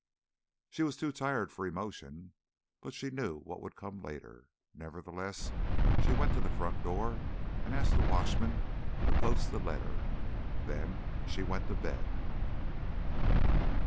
She was too tired for emotion, but she knew what would come later. Nevertheless, she went to the front door and asked the watchman to post the letter. Then she went to bed.